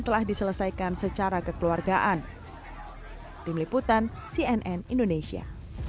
telah diselesaikan secara kekeluargaan tim liputan cnn indonesia